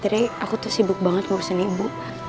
sebenernya aku tuh sibuk banget ngurusin ibu